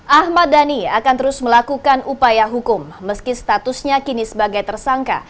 ahmad dhani akan terus melakukan upaya hukum meski statusnya kini sebagai tersangka